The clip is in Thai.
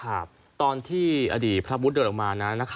ครับตอนที่อดีตพระวุฒิเดินออกมานะนะคะ